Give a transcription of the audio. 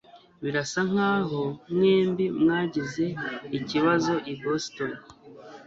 Birasa nkaho mwembi mwagize ikibazo i Boston.